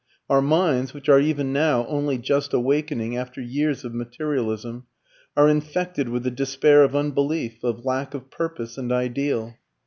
Our minds, which are even now only just awakening after years of materialism, are infected with the despair of unbelief, of lack of purpose and ideal.